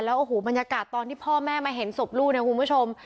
โอ้โหบรรยากาศตอนที่พ่อแม่มาเห็นศพลูกเนี่ยคุณผู้ชม